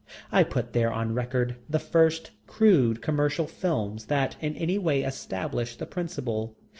I put there on record the first crude commercial films that in any way establish the principle.